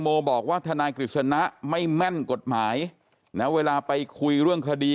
โมบอกว่าทนายกฤษณะไม่แม่นกฎหมายนะเวลาไปคุยเรื่องคดี